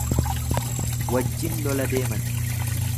Wajjin lola deeman.